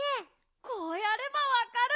こうやればわかるんだ！